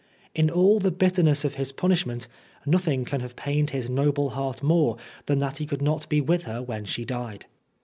In all the bitterness of his punishment, nothing can have pained his 75 Oscar Wilde noble heart more than that he could not be with her when she died.